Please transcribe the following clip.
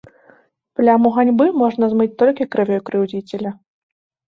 Пляму ганьбы можна змыць толькі крывёй крыўдзіцеля.